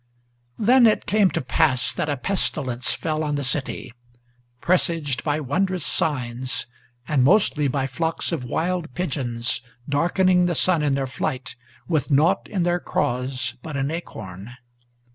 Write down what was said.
Then it came to pass that a pestilence fell on the city, Presaged by wondrous signs, and mostly by flocks of wild pigeons, Darkening the sun in their flight, with naught in their craws but an acorn.